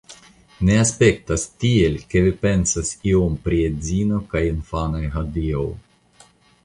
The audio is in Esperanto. Ne aspektas tiel, ke vi pensas iom pri edzino kaj infanoj hodiaŭ.